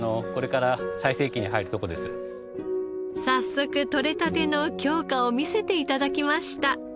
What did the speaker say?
早速とれたての京香を見せて頂きました。